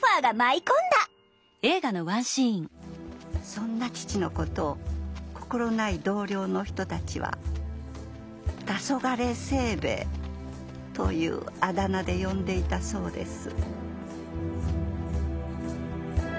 そんな父の事を心ない同僚の人たちはたそがれ清兵衛というあだ名で呼んでいたそうです